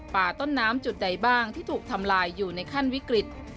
ต้นน้ำจุดใดบ้างที่ถูกทำลายอยู่ในขั้นวิกฤต